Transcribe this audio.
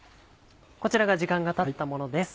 こちらが時間がたったものです